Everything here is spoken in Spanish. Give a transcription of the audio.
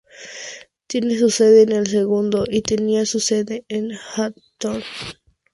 Tiene su sede en El Segundo, y tenía su sede en Hawthorne.